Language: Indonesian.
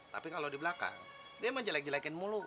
tapi kalau di belakang dia emang jelek jelekin mulut